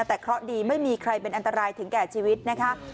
แต่เคราะห์ดีไม่มีใครเป็นอันตรายถึงแก่ชีวิตนะคะ